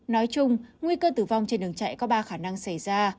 nói chung nguy cơ tử vong trên đường chạy có ba khả năng xảy ra